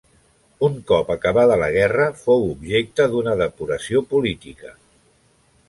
Un cop acabada la guerra fou objecte d'una depuració política.